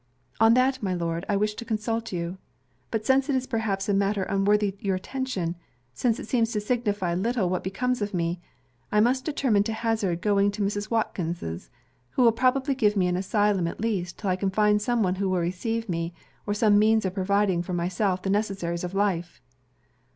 'On that, my Lord, I wished to consult you. But since it is perhaps a matter unworthy your attention; since it seems to signify little what becomes of me; I must determine to hazard going to Mrs. Watkins's, who will probably give me an asylum at least 'till I can find some one who will receive me, or some means of providing for myself the necessaries of life.'